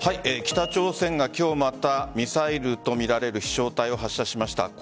北朝鮮が今日またミサイルとみられる飛翔体を発射しました。